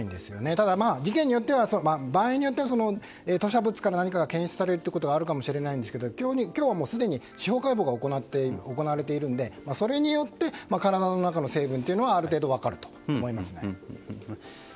ただ、事件によっては場合によっては吐しゃ物から何か検出されることがあるかもしれないんですけど今日、すでに司法解剖が行われているのでそれによって体の中の成分はある程度分かると思います。